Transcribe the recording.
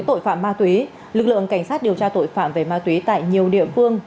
tội phạm ma túy lực lượng cảnh sát điều tra tội phạm về ma túy tại nhiều địa phương